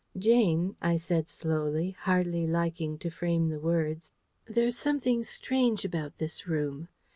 "Jane," I said slowly, hardly liking to frame the words, "there's something strange about this room.